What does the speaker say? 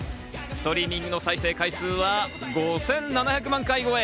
ストリーミングの再生回数は５７００万回超え。